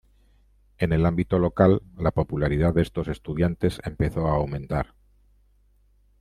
En el ámbito local, la popularidad de estos estudiantes empezó a aumentar.